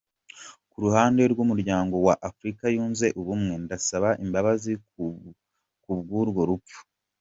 Ku ruhande rw’Umuryango wa Afurika yunze ubumwe, ndasaba imbabazi kubw’urwo rupfu.